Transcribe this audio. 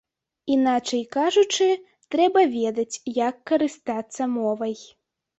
Іначай кажучы, трэба ведаць, як карыстацца мовай.